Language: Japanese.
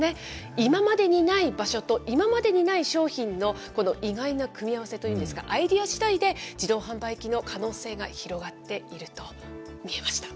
今までにない場所と、今までにない商品の、この意外な組み合わせというんですか、アイデアしだいで、自動販売機の可能性が広がっていると見えました。